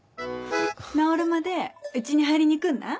直るまでうちに入りに来んな？